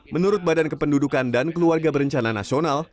menurut badan kependudukan dan keluarga berencana nasional